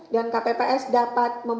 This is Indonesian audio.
dan kpps dapat